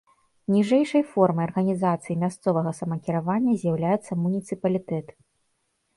Ніжэйшай формай арганізацыі мясцовага самакіравання з'яўляецца муніцыпалітэт.